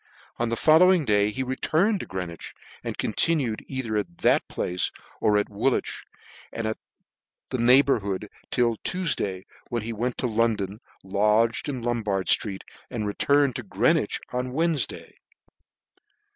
On the follow ing day he returned to Greenwich, and continued either at that place or at Woolwich and the neighbourhood till Tuefday, when he went to London, lodged in Lombard ftreet, and returned to Greenwich on the Wednefday.